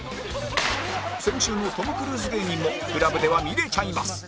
先週のトム・クルーズ芸人も ＣＬＵＢ では見れちゃいます